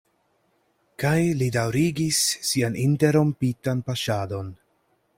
Kaj li daŭrigis sian interrompitan paŝadon.